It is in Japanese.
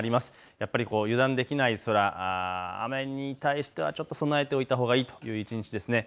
やっぱり油断できない空、雨に対しては備えておいたほうがいいという一日です。